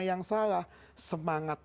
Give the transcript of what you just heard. yang salah semangat